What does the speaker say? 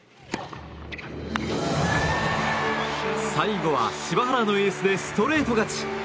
最後は柴原のエースでストレート勝ち。